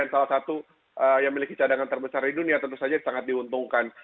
salah satu yang memiliki cadangan terbesar di dunia tentu saja sangat diuntungkan